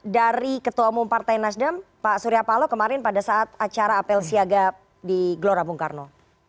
dari ketua umum partai nasdem pak surya palo kemarin pada saat acara apel siaga di glora bungkarno